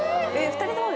２人とも。